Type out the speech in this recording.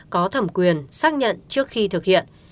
có thẩm quyền xác nhận trước khi thực hiện